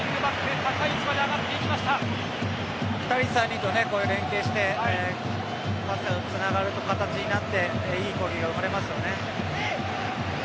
深い位置で連係してパスがつながる形になっていい攻撃が生まれますね。